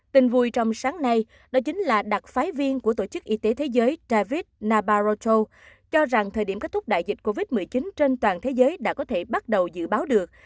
tin vui trong sáng nay đó chính là đặc phái viên của tổ chức y tế thế giới david nabaroto cho rằng thời điểm kết thúc đại dịch covid một mươi chín trên toàn thế giới đã có thể bắt đầu dự báo được